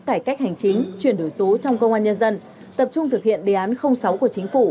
cải cách hành chính chuyển đổi số trong công an nhân dân tập trung thực hiện đề án sáu của chính phủ